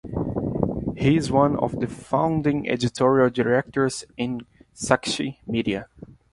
He is one of the founding editorial directors in Sakshi Media.